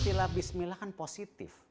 istilah bismillah kan positif